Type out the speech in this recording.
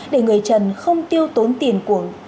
để người trần không tiêu tốn tiền của